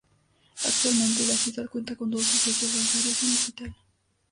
Actualmente, la ciudad cuenta con dos agencias bancarias y un hospital.